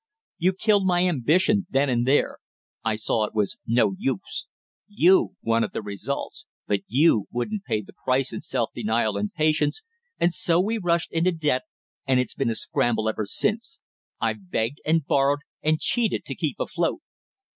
You killed my ambition then and there; I saw it was no use. You wanted the results, but you wouldn't pay the price in self denial and patience, and so we rushed into debt and it's been a scramble ever since! I've begged and borrowed and cheated to keep afloat!"